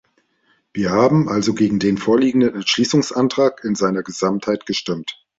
Wir haben also gegen den vorliegenden Entschließungsantrag in seiner Gesamtheit gestimmt.